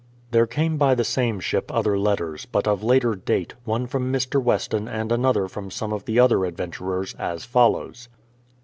There came by the same ship other letters, but of later date, one from Mr. Weston and another from some of the other adventurers, as follows.